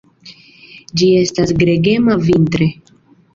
Ĝi estas gregema vintre.